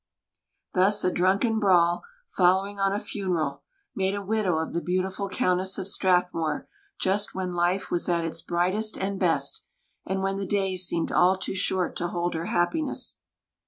Thus a drunken brawl, following on a funeral, made a widow of the beautiful Countess of Strathmore just when life was at its brightest and best, and when the days seemed all too short to hold her happiness.